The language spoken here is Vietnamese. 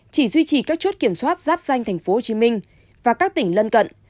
chỉ duy trì các chốt kiểm soát giáp danh tp hcm và các tỉnh lân cận